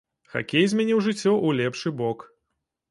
Хакей змяніў жыццё ў лепшы бок.